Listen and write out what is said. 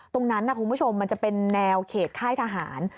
ตรงนั้นคุณผู้ชมมันจะเป็นแนวเขตค่ายทหาร